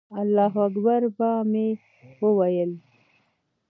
الله اکبر به مې وویل.